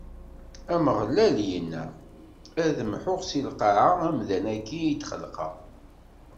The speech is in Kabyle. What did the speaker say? Ameɣlal inna: Ad mḥuɣ si lqaɛa amdan-agi i d-xelqeɣ.